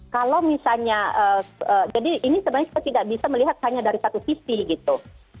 kalau misalnya jadi ini sebenarnya kita tidak bisa melihat hanya dari satu sisi gitu